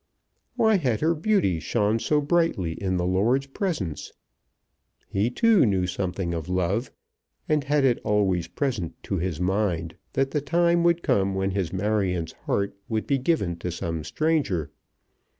Why had her beauty shone so brightly in the lord's presence? He too knew something of love, and had it always present to his mind that the time would come when his Marion's heart would be given to some stranger.